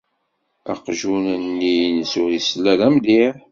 Aqjun-nni-ines ur isell ara mliḥ